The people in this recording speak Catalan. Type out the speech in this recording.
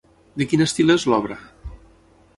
De quin estil és l'obra?